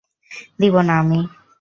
দিবো না আমি!